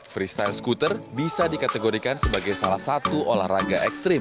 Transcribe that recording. freestyle skuter bisa dikategorikan sebagai salah satu olahraga ekstrim